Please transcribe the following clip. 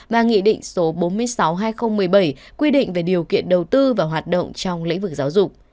và nghị định số bốn mươi sáu hai nghìn một mươi bảy quy định về điều kiện đầu tư và hoạt động trong lĩnh vực giáo dục